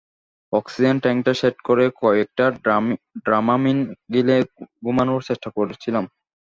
Oxygen ট্যাঙ্কটা set করে কয়েকটা ড্রামামিন গিলে ঘুমানোর চেষ্টা করছিলাম।